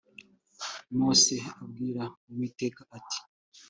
Mose abwira Uwiteka ati